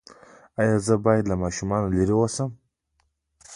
ایا زه باید له ماشومانو لرې اوسم؟